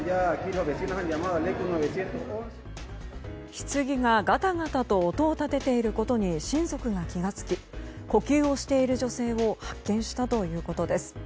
ひつぎがガタガタと音を立てていることに親族が気が付き呼吸をしている女性を発見したということです。